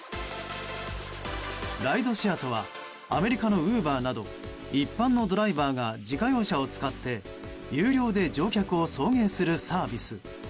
ライドシェアとはアメリカのＵｂｅｒなど一般のドライバーが自家用車を使って有料で乗客を送迎するサービス。